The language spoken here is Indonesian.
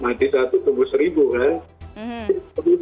nah nanti saat itu tumbuh seribu kan